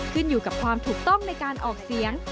ขึ้นอยู่กับความถูกต้องในการออกเสียง